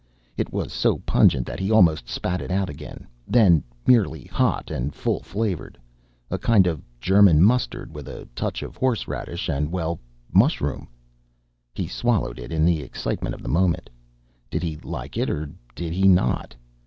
It was so pungent that he almost spat it out again, then merely hot and full flavoured: a kind of German mustard with a touch of horse radish and well, mushroom. He swallowed it in the excitement of the moment. Did he like it or did he not?